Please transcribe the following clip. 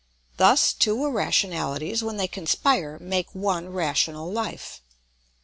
Thus two irrationalities, when they conspire, make one rational life.